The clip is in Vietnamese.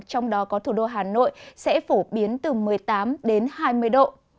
trong đó có thủ đô hà nội sẽ phổ biến từ một mươi tám đến hai mươi độ